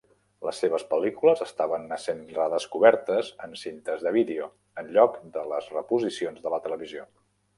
Les seves pel·lícules estaven essent redescobertes en cintes de vídeo en lloc de les reposicions de la televisió.